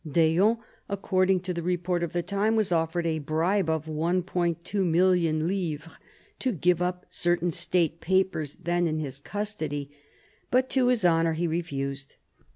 D'Eon, according to the report of the time, was offered a bribe of 1,200,000 livres, to give up certain state papers then in his custody; but to his honour he refused.